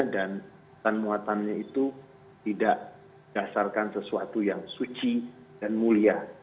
muatannya itu tidak dasarkan sesuatu yang suci dan mulia